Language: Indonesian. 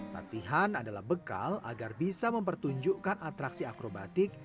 latihan adalah bekal agar bisa mempertunjukkan atraksi akrobatik